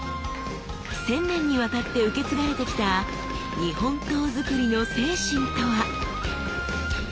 千年にわたって受け継がれてきた日本刀づくりの精神とは？